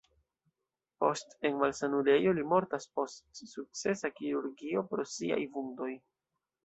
Post en malsanulejo li mortas post sukcesa kirurgio pro siaj vundoj.